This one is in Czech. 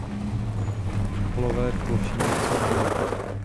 Na vrcholové plošině jsou pole.